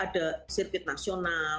ada pertandingan nasional